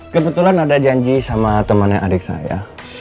kebetulan ada janji sama temannya adik saya